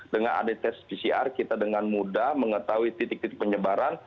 dengan ada tes pcr kita dengan mudah mengetahui titik titik penyebaran